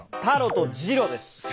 タロと「ジロ」です。